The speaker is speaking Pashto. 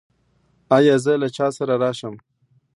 ایا زه له چا سره راشم؟